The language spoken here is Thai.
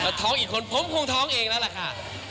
ถ้าท้องอีกคนผมคงท้องเองนั่นแหละค่ะ